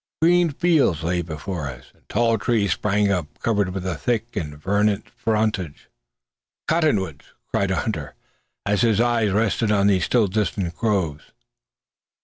Green fields lay before us, and tall trees sprang up, covered with a thick and verdant frondage! "Cotton woods!" cried a hunter, as his eye rested on these still distant groves.